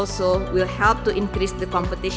ini juga akan membantu meningkatkan level kompetisi